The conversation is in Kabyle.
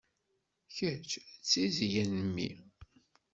Kečč d tizzya n mmi.